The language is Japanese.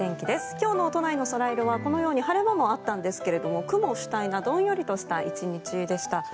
今日の都内のソライロはこのように晴れ間もあったんですが雲主体などんよりとした１日でした。